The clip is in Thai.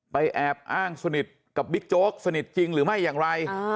แอบอ้างสนิทกับบิ๊กโจ๊กสนิทจริงหรือไม่อย่างไร